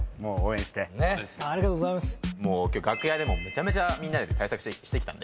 楽屋でもめちゃめちゃみんなで対策してきたんで。